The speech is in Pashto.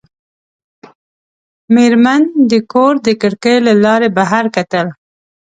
مېرمن د کور د کړکۍ له لارې بهر کتل.